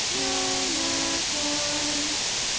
no, not one